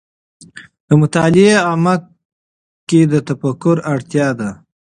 د مطالعې عمق کې د تفکر اړتیا ده.